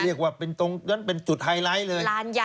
เรียกว่าเป็นตรงนั้นเป็นจุดไฮไลท์เลย